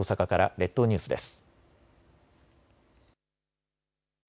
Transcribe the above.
列島ニュースです。